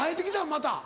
また。